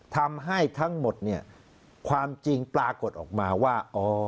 ทำให้ทั้งหมดเนี่ยความจริงปรากฏออกมาว่า